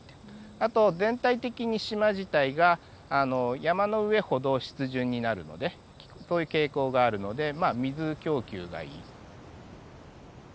あと全体的に島自体が山の上ほど湿潤になるのでそういう傾向があるのでまあ水供給がいい。